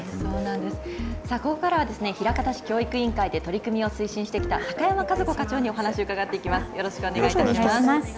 ここからは枚方市教育委員会で取り組みを推進してきた高山和子課長にお話を伺っていきます。